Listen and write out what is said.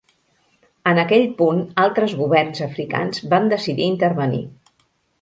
En aquell punt altres governs africans van decidir intervenir.